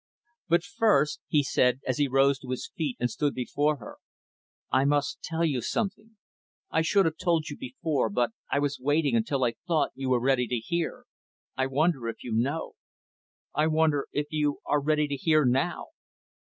"But first," he said, as he rose to his feet and stood before her, "I must tell you something. I should have told you before, but I was waiting until I thought you were ready to hear. I wonder if you know. I wonder if you are ready to hear, now."